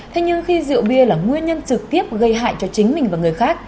thế nhưng khi rượu bia là nguyên nhân trực tiếp gây hại cho chính mình và người khác